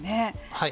はい。